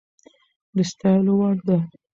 د ستايلو وړ ده